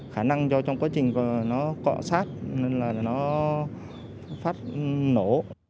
khả năng cho trong quá trình nó cọ sát nên là nó phát nổ